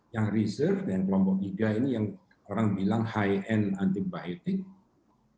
yang reserve dengan kelompok tiga ini yang orang bilang high end antibiotik